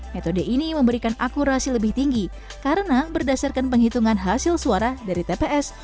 metode ini memberikan akurasi lebih tinggi karena berdasarkan penghitungan hasil suara dari tps